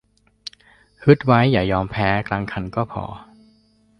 ฮึดไว้อย่ายอมแพ้กลางคันก็พอ